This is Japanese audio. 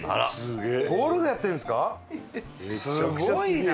すごいな！